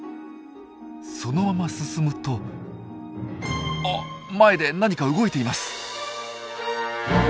そのまま進むとあっ前で何か動いています！